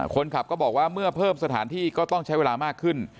คนขับก็บอกว่าเมื่อเพิ่มสถานที่ก็ต้องใช้เวลามากขึ้น